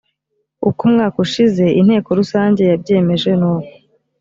uko umwaka ushize inteko rusange yabyemeje nuko.